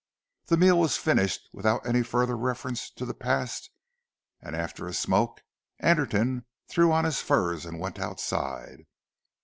The meal was finished without any further reference to the past, and after a smoke, Anderton threw on his furs and went outside.